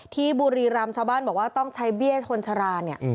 บุรีรำชาวบ้านบอกว่าต้องใช้เบี้ยคนชราเนี่ย